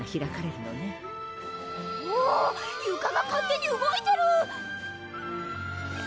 床が勝手に動いてる！